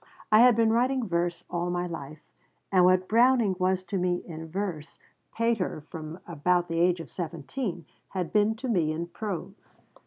I had been writing verse all my life, and what Browning was to me in verse Pater, from about the age of seventeen, had been to me in prose.